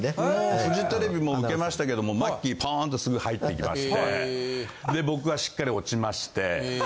もうフジテレビも受けましたけどもマッキーポーンとすぐ入っていきまして僕はしっかり落ちまして。